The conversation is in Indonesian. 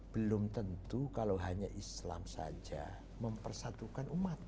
belum tentu kalau hanya islam saja mempersatukan umat